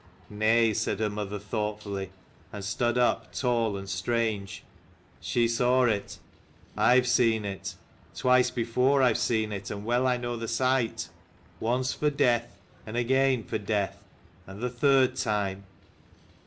"Nay," said her mother thoughtfully, and stood up, tall and strange. " She saw it. I have seen it. Twice before I have seen it, and well I know the sight. Once for death : and again for death : and the third time."